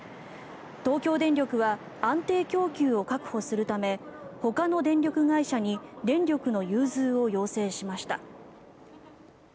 東京電力は安定供給を確保するためほかの電力会社に電力の融通を要請しました。